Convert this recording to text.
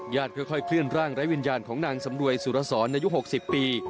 ญาติค่อยค่อยเคลื่อนร่างไร้วิญญาณของนางสำรวยสุรสรในยุคหกสิบปี